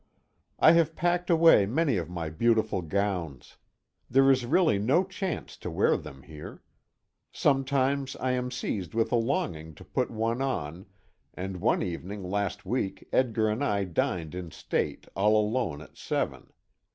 I have packed away many of my beautiful gowns. There is really no chance to wear them here. Sometimes I am seized with a longing to put one on, and one evening last week Edgar and I dined in state all alone at seven.